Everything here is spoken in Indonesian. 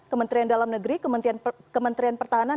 kementerian dalam negeri kementerian pertahanan